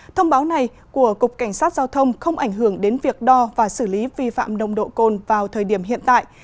thông báo này của cục cảnh sát giao thông không ảnh hưởng đến việc đo và xử lý vi phạm nồng độ cồn vào thời điểm hiện tại